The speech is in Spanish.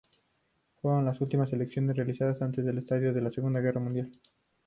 Fueron las últimas elecciones realizadas antes del estallido de la Segunda Guerra mundial.